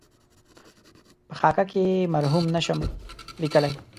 په خاکه کې یې مرحوم نشم لېکلای.